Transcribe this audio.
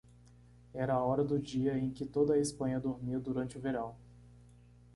Era a hora do dia em que toda a Espanha dormia durante o verão.